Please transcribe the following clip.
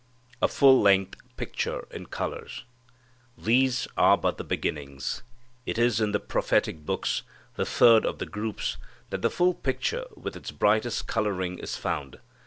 A Full length Picture in Colors. These are but the beginnings. It is in the prophetic books, the third of the groups, that the full picture with its brightest coloring is found.